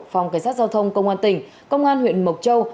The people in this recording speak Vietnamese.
phòng cảnh sát giao thông công an tỉnh công an huyện mộc châu